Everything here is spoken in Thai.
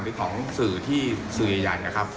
หรือของสื่อที่สื่อเยยันล์ครับ